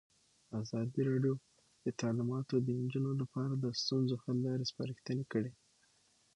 ازادي راډیو د تعلیمات د نجونو لپاره د ستونزو حل لارې سپارښتنې کړي.